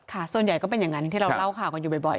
ส่วนใหญ่ก็เป็นอย่างนั้นที่เราเล่าข่าวกันอยู่บ่อย